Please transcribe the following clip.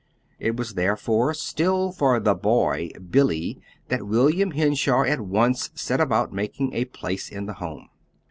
It was therefore still for the "boy," Billy, that William Henshaw at once set about making a place in the home.